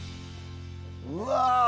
うわ！